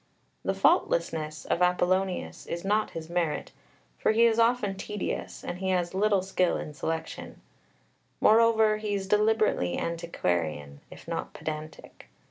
The "faultlessness" of Apollonius is not his merit, for he is often tedious, and he has little skill in selection; moreover, he is deliberately antiquarian, if not pedantic.